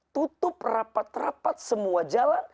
tutup rapat rapat semua jalan